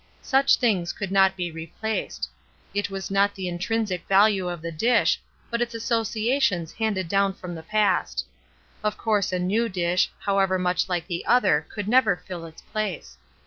Such things could not be replaced. It was not the intrinsic value of the dish, but its associa tions handed down from the past. Of course a new dish, however much Hke the other, could never fill its place.